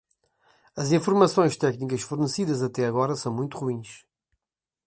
As informações técnicas fornecidas até agora são muito ruins.